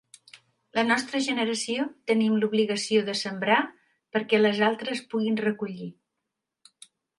La nostra generació tenim l'obligació de sembrar perquè les altres puguin recollir.